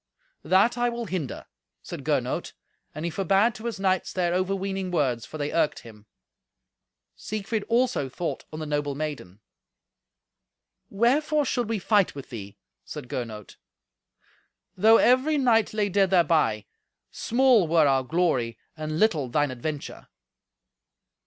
"That I will hinder," said Gernot, and he forbade to his knights their overweening words, for they irked him. Siegfried also thought on the noble maiden. "Wherefore should we fight with thee?" said Gernot. "Though every knight lay dead thereby, small were our glory and little thine adventure."